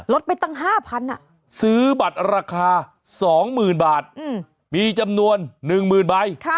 ลดไปตั้งห้าพันซื้อบัตรราคาสองหมื่นบาทมีจำนวนหนึ่งหมื่นใบ